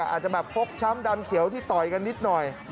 อาจจะแบบฟกช้ำดำเขียวที่ต่อยกันนิดหน่อย